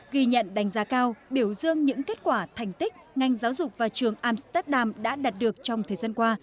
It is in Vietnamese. ghi nhận đánh giá cao biểu dương những kết quả thành tích ngành giáo dục và trường amsterdam đã đạt được trong thời gian qua